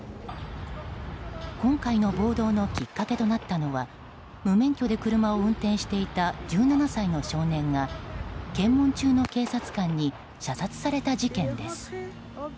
今回の暴動のきっかけとなったのは無免許で車を運転していた１７歳の少年が検問中の警察官に射殺された事件です。